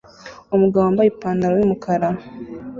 Umugabo wambaye ipantaro yumukara